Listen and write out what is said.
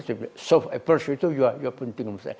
soft approach itu juga penting